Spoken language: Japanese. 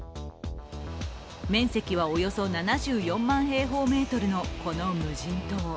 面積はおよそ７４万平方メートルのこの無人島。